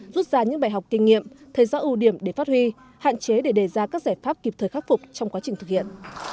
rút ra những bài học kinh nghiệm thấy rõ ưu điểm để phát huy hạn chế để đề ra các giải pháp kịp thời khắc phục trong quá trình thực hiện